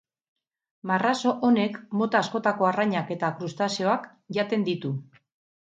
Marrazo honek mota askotako arrainak eta krustazeoak jaten ditu.